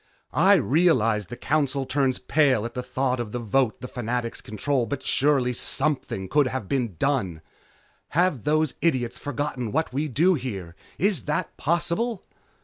I realize the Council turns pale at the thought of the vote the Fanatics control, but surely something could have been done! Have those idiots forgotten what we do here? Is that possible?"